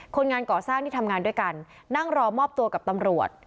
คนงานก่อสร้างที่ทำงานด้วยกันนั่งรอมอบตัวกับตำรวจ